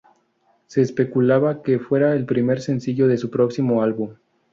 Se especulaba que fuera el primer sencillo de su próximo álbum.